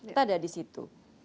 kita ada di situ